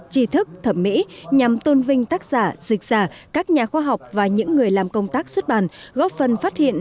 trí thức thẩm mỹ nhằm tôn vinh tác giả dịch giả các nhà khoa học và những người làm công tác xuất bản góp phần phát hiện